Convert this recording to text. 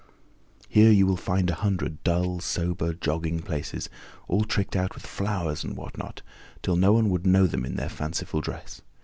Here you will find a hundred dull, sober, jogging places, all tricked out with flowers and what not, till no one would know them in their fanciful dress.